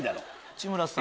内村さん。